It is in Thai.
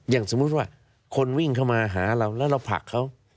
อย่างสมมุติว่าคนวิ่งเข้ามาหาเราแล้วเราผลักเขา